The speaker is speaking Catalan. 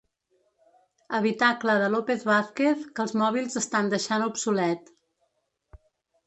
Habitacle de López Vázquez que els mòbils estan deixant obsolet.